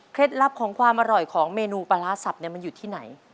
ลับของความอร่อยของเมนูปลาร้าสับมันอยู่ที่ไหน